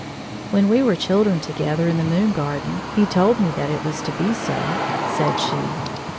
" When we were chil dren together in the moon garden, he told me that it was to be so," said she.